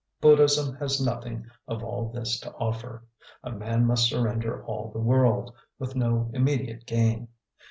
Buddhism has nothing of all this to offer. A man must surrender all the world, with no immediate gain.